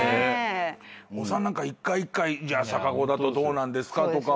お産なんか一回一回逆子だとどうなんですかとか。